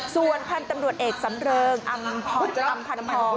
ส่วนพันธุ์ตำรวจเอกสำเริงอำพรอำพันธอง